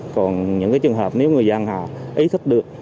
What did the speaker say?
còn những cái trường hợp nếu người dân họ ý thức được